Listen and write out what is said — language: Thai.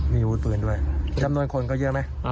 มีอาวุธปืนด้วยจำนวนคนก็เยอะไหม